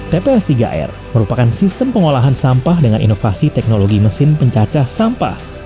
tps tiga r merupakan sistem pengolahan sampah dengan inovasi teknologi mesin pencacah sampah